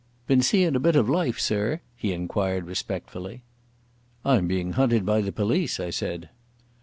"Been seein' a bit of life, sir?" he inquired respectfully. "I'm being hunted by the police," I said.